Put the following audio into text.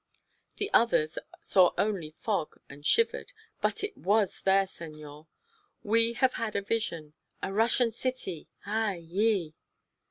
"The others saw only fog and shivered. But it was there, senor! We have had a vision. A Russian city! Ay, yi!"